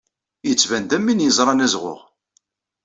Yettban-d am win yeẓran azɣuɣ.